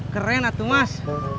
keren atu mas